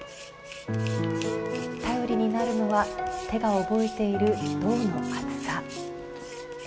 頼りになるのは手が覚えている胴の厚さ。